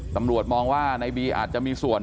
ตำรวจมองว่าในบีอาจจะมีส่วน